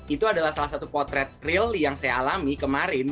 itu adalah salah satu potret real yang saya alami kemarin